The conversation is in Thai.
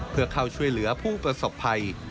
เพื่อเข้าช่วยเหลือผู้ประสบภัย